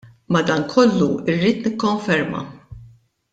Madankollu rrid nikkonferma.